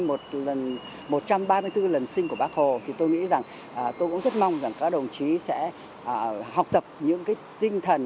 một lần một trăm ba mươi bốn lần sinh của bác hồ thì tôi nghĩ rằng tôi cũng rất mong rằng các đồng chí sẽ học tập những cái tinh thần